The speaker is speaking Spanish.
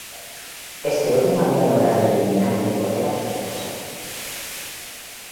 Este último había logrado eliminar del poder a su esposa.